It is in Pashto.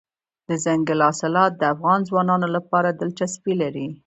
دځنګل حاصلات د افغان ځوانانو لپاره دلچسپي لري.